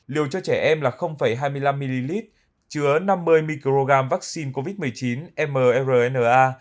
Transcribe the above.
liều cho trẻ em là hai mươi năm ml chứa năm mươi microgram vaccine covid một mươi chín mrna